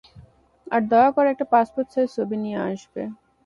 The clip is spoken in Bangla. আর দয়া করে একটা পাসপোর্ট সাইজ ছবি নিয়ে আসবে।